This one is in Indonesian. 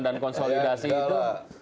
dan konsolidasi itu